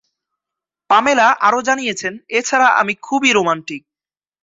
Pamela আরো জানিয়েছেন, 'এ ছাড়া আমি খুবই রোমান্টিক।